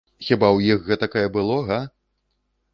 Хіба ў іх гэткае было, га?